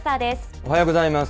おはようございます。